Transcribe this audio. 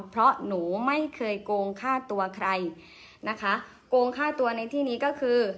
เพราะหนูไม่เคยโกงฆ่าตัวใครนะคะโกงฆ่าตัวในที่นี้ก็คือ